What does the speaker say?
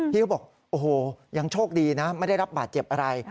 เขาบอกโอ้โหยังโชคดีนะไม่ได้รับบาดเจ็บอะไร